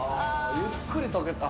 ゆっくり溶けた。